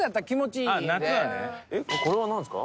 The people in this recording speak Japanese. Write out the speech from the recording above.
これはなんですか？